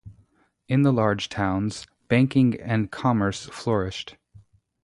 In the large towns banking and commerce flourished.